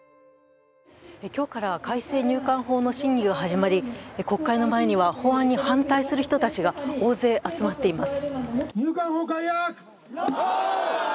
今日から改正入管法の審議が始まり、国会の前には法案に反対する人たちが大勢集まっています。